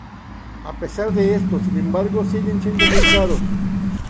A pesar de esto, sin embargo, siguen siendo muy caros.